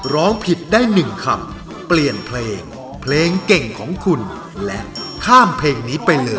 ร้องผิดได้๑คำเปลี่ยนเพลงเพลงเก่งของคุณและข้ามเพลงนี้ไปเลย